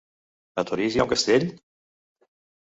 A Torís hi ha un castell?